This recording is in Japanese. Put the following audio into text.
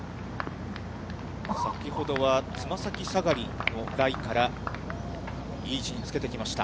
先ほどはつま先下がりのライから、いい位置につけてきました。